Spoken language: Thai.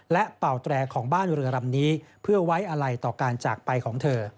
และเป่าแตรของบ้านเรือลำนี้เพื่อไว้อะไรต่อการจากไปของเธอ